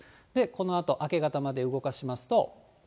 このあと明け方まで動かしますと。